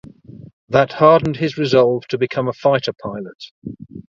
That hardened his resolve to become a fighter pilot.